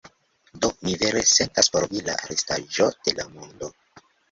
Do mi vere sentas por vi, la restaĵo de la mondo.